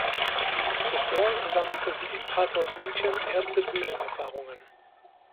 Zuvor sammelte sie im Pathos München erste Bühnenerfahrungen.